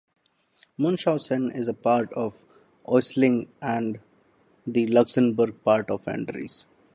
Munshausen is part of the Oesling, the Luxembourgish part of the Ardennes.